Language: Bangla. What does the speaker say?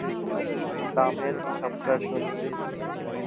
দামের হিসাবটা শুনি।